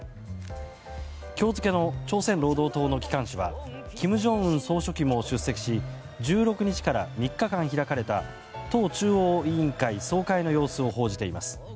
今日付の朝鮮労働党の機関紙は金正恩総書記も出席し１６日から３日間開かれた党中央委員会総会の様子を報じています。